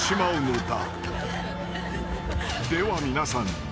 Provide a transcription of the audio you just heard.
［では皆さん。